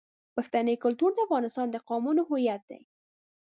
پښتني کلتور د افغانستان د قومونو هویت دی.